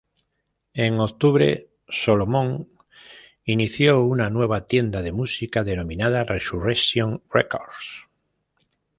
En octubre, Solomon inició una nueva tienda de música denominada Resurrection Records.